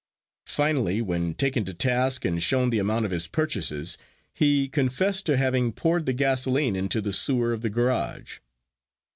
Finally, when taken to task and shown the amount of his purchases, he confessed to having poured the gasoline into the sewer of the garage.